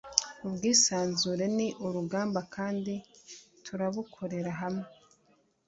ubwisanzure ni urugamba, kandi turabukorera hamwe